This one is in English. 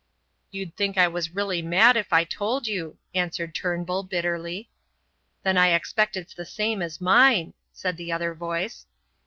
"You'd think I was really mad if I told you," answered Turnbull, bitterly. "Then I expect it's the same as mine," said the other voice.